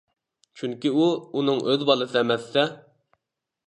چۈنكى ئۇ ئۇنىڭ ئۆز بالىسى ئەمەستە.